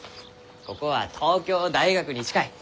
ここは東京大学に近い。